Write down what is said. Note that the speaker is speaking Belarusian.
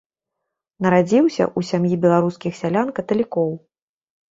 Нарадзіўся ў сям'і беларускіх сялян-каталікоў.